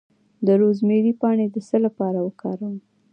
د روزمیری پاڼې د څه لپاره وکاروم؟